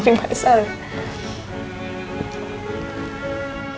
kenapa jadi masalah